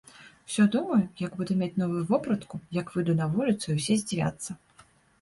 Усё думаю, як буду мець новую вопратку, як выйду на вуліцу і ўсе здзівяцца.